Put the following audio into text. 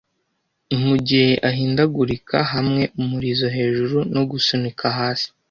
Mugihe ahindagurika hamwe umurizo hejuru no gusunika hasi,